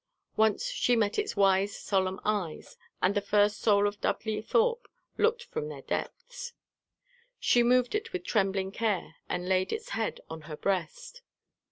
Once she met its wise solemn eyes, and the first soul of Dudley Thorpe looked from their depths. She moved it with trembling care, and laid its head on her breast.